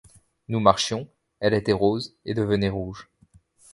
Nous marchions, elle était rose, et devenait rouge